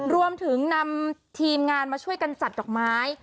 รวมถึงนำทีมงานมาช่วยกันจัดดอกไม้